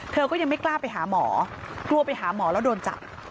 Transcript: เธอก็ยังไม่กล้าไปหาหมอกลัวไปหาหมอแล้วโดนจับ